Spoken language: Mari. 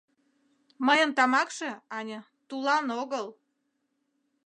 Мыйын тамакше, ане, тулан огыл...